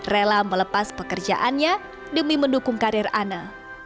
rela melepas pekerjaannya demi mendukung karir ana